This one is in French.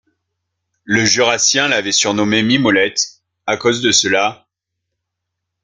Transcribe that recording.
Le Jurassien l’avait surnommée Mimolette, à cause de cela,